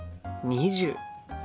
２０。